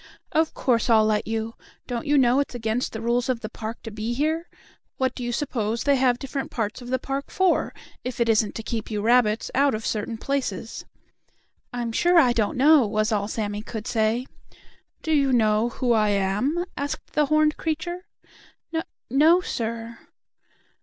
"Of course I'll let you. Don't you know it's against the rules of the park to be here? What do you suppose they have different parts of the park for, if it isn't to keep you rabbits out of certain places?" "I'm sure I don't know," was all Sammie could say. "Do you know who I am?" asked the horned creature. "No no, sir."